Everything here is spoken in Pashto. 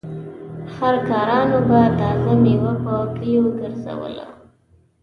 خر کارانو به تازه مېوه په کليو ګرځوله.